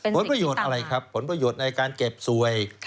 ผลประโยชน์อะไรครับผลประโยชน์ในการเก็บสวย